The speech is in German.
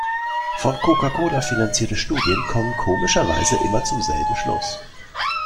Von Coca-Cola finanzierte Studien kommen komischerweise immer zum selben Schluss.